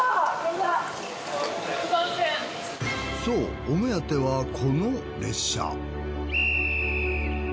そうお目当てはこの列車。